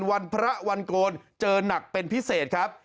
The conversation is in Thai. วันพระวันโกนเจอหนักเป็นพิเศษครับ